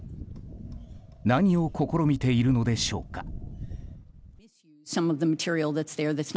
何を試みているのでしょうか。